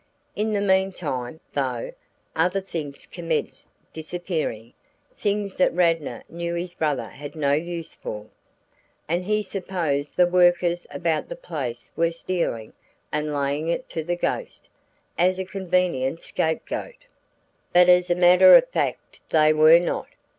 In the meantime, though, other things commenced disappearing things that Radnor knew his brother had no use for and he supposed the workers about the place were stealing and laying it to the ghost, as a convenient scapegoat. "But as a matter of fact they were not.